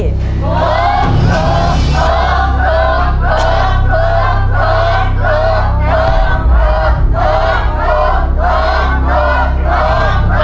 ลุกหลุบหลุบหลุบ